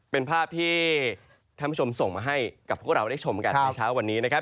เป็นภาพที่ท่านผู้ชมส่งมาให้กับพวกเราได้ชมกันในเช้าวันนี้นะครับ